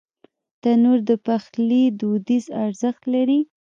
تنور د پخلي دودیز ارزښت لري